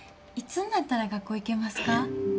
いつになったら学校行けますか？